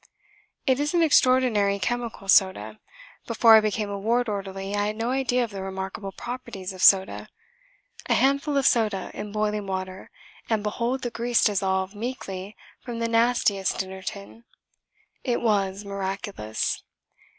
It is an extraordinary chemical, soda. Before I became a ward orderly I had no idea of the remarkable properties of soda. A handful of soda in boiling water, and behold the grease dissolve meekly from the nastiest dinner tin! It was miraculous.